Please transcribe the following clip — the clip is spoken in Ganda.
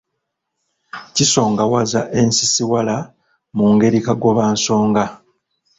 Kisongawaza ensisiwala mu ngeri kagobansonga